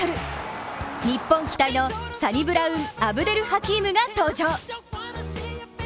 日本期待のサニブラウンアブデルハキームが登場。